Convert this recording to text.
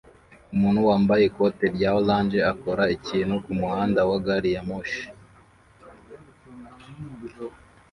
Umuntu wambaye ikote rya orange akora ikintu kumuhanda wa gari ya moshi